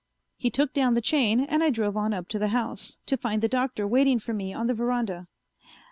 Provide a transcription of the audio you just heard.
He took down the chain and I drove on up to the house, to find the Doctor waiting for me on the veranda.